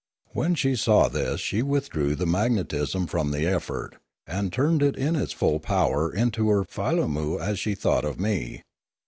When she saw this, she withdrew the magnetism from the effort, and turned it in its full power into her filammu as she thought of me.